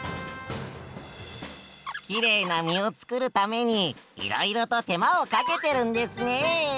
きれいな実を作るためにいろいろと手間をかけてるんですね。